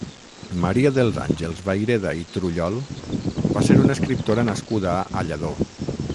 Maria dels Àngels Vayreda i Trullol va ser una escriptora nascuda a Lladó.